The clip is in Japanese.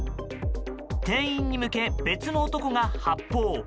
店員に向け別の男が発砲。